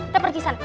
udah pergi sal